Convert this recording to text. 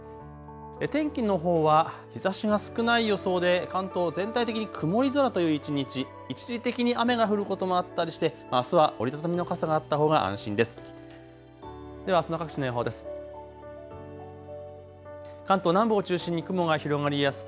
天気のほうは日ざしが少ない予想で関東全体的に曇り空という一日、一時的に雨が降ることもあったりして、あすは折り畳みの傘があったほうが安心です。